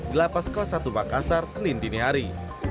di lapas kelas satu makassar senin dinihari